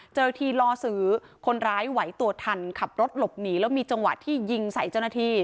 เจ้าหน้าที่ล่อซื้อคนร้ายไหวตัวทันขับรถหลบหนีแล้วมีจังหวะที่ยิงใส่เจ้าหน้าที่